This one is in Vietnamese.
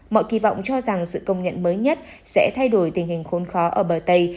mọi kỳ vọng cho rằng sự công nhận mới nhất sẽ thay đổi tình hình khốn khó ở bờ tây